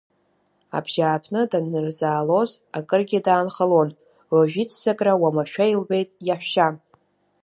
Абжьааԥны данырзаалоз акыргьы даанхалон, уажә иццакра уамашәа илбеит иаҳәшьа.